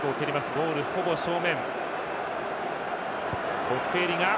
ゴールほぼ正面。